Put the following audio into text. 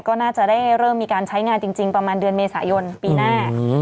ก็น่าจะได้เริ่มมีการใช้งานจริงประมาณเดือนเมษายนปีหน้า